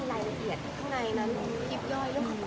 แต่ว่ามันก็มีลายละเอียดใน